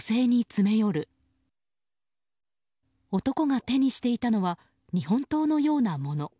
男が手にしていたのは日本刀のようなもの。